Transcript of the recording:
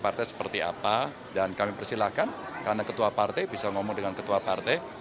partai seperti apa dan kami persilahkan karena ketua partai bisa ngomong dengan ketua partai